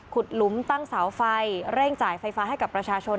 หลุมตั้งเสาไฟเร่งจ่ายไฟฟ้าให้กับประชาชน